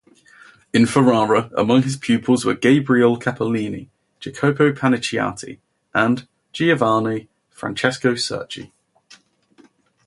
In Ferrara, among his pupils were Gabriele Capellini, Jacopo Panicciati, and Giovanni Francesco Surchi.